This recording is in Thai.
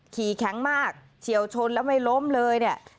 แข็งมากเฉียวชนแล้วไม่ล้มเลยเนี่ย